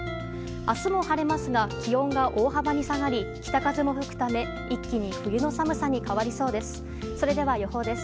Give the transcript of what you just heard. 明日も晴れますが気温が大幅に下がり北風も吹くため一気に冬の寒さに変わりそうです。